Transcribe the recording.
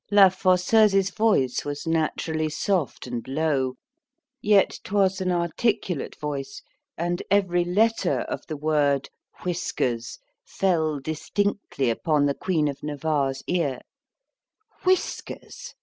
La Fosseuse's voice was naturally soft and low, yet 'twas an articulate voice: and every letter of the word Whiskers fell distinctly upon the queen of Navarre's ear—Whiskers!